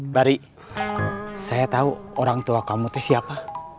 bari saya tahu orang tua kamu itu siapa